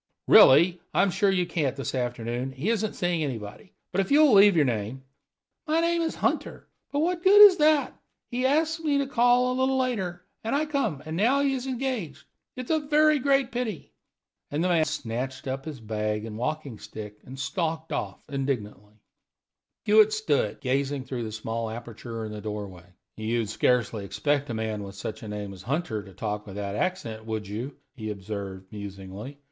"Really, I'm sure you can't this afternoon; he isn't seeing anybody. But if you'll leave your name " "My name is Hunter; but what the good of that? He ask me to call a little later, and I come, and now he is engaged. It is a very great pity." And the man snatched up his bag and walking stick, and stalked off, indignantly. Hewitt stood still, gazing through the small aperture in the doorway. "You'd scarcely expect a man with such a name as Hunter to talk with that accent, would you?" he observed, musingly.